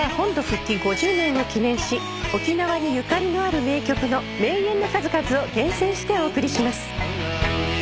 復帰５０年を記念し沖縄にゆかりのある名曲の名演の数々を厳選してお送りします。